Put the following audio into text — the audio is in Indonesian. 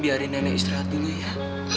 biarin nenek istirahat dulu ya